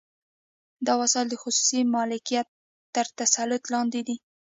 دا وسایل د خصوصي مالکیت تر تسلط لاندې دي